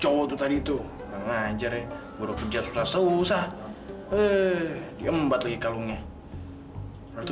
cowok itu tadi tuh ajar yang berubah kerja susah susah eh diembat lagi kalau nya itu